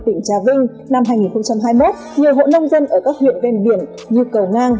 tỉnh trà vinh năm hai nghìn hai mươi một nhiều hộ nông dân ở các huyện ven biển như cầu ngang